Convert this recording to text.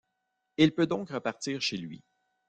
Il peut donc repartir chez lui.